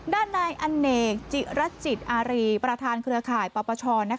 ด้านนายอันนเนกจิรัจจิตอารีย์ประธานเครือข่ายประปชร